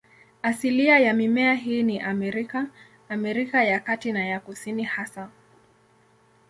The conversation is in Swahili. Asilia ya mimea hii ni Amerika, Amerika ya Kati na ya Kusini hasa.